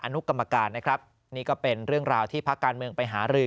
นุกรรมการนะครับนี่ก็เป็นเรื่องราวที่พักการเมืองไปหารือ